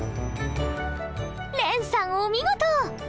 れんさんお見事！